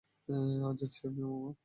যাচ্ছি আমি মামা।